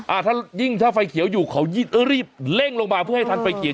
อ่าถ้ายิ่งถ้าไฟเขียวอยู่เขารีบเล่งลงมาเพื่อให้ทันไฟเขียว